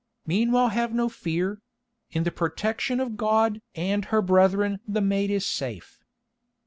Meanwhile have no fear; in the protection of God and her brethren the maid is safe."